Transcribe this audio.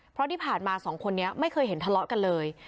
เพราะที่ผ่านมาสองคนนี้ไม่เคยเห็นทะเลาะกันเลย